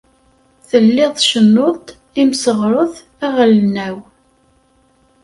Telliḍ tcennuḍ-d imseɣret aɣelnaw.